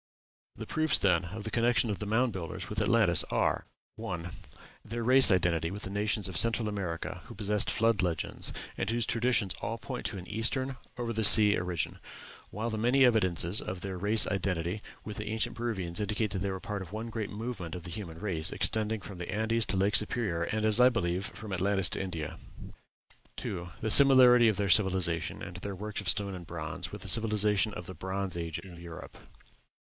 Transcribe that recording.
The proofs, then, of the connection of the Mound Builders with Atlantis are: 1. Their race identity with the nations of Central America who possessed Flood legends, and whose traditions all point to an eastern, over sea origin; while the many evidences of their race identity with the ancient Peruvians indicate that they were part of one great movement of the human race, extending from the Andes to Lake Superior, and, as I believe, from Atlantis to India. 2. The similarity of their civilization, and their works of stone and bronze, with the civilization of the Bronze Age in Europe.